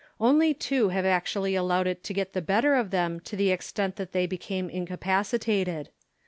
Only two have actually al lowed it to get the better of them to the extent that they became incapacitated.